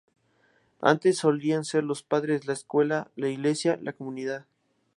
Antes solían ser los padres, la escuela, la iglesia, la comunidad.